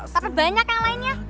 tapi banyak yang lainnya